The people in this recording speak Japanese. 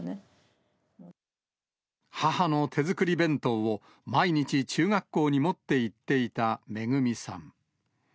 母の手作り弁当を、毎日、中学校に持っていっていためぐみさん。